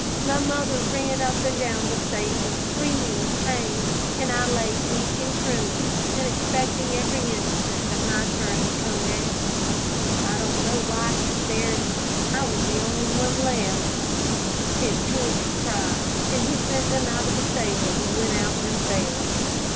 My mother ran up and down the stable, screaming with pain, and I lay weak and trembling, and expecting every instant that my turn would come next. I don't know why he spared me. I was the only one left. His children cried, and he sent them out of the stable and went out himself.